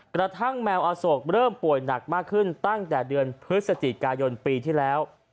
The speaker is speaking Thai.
กระทั่งแมวอโศกเริ่มป่วยหนักมากขึ้นตั้งแต่เดือนพฤศจิกายนปีที่แล้ว